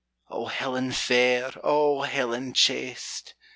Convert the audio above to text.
O Helen fair! O Helen chaste!